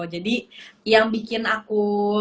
jadi yang bikin aku